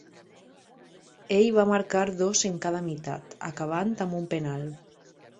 Ell va marcar dos en cada meitat, acabant amb un penal.